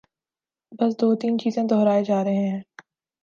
بس دو تین چیزیں دہرائے جا رہے ہیں۔